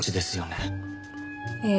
ええ。